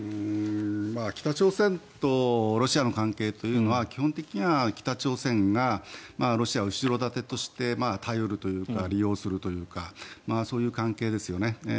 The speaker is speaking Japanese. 北朝鮮とロシアの関係というのは基本的には北朝鮮がロシアを後ろ盾として頼るというか利用するというかそういう関係ですよね。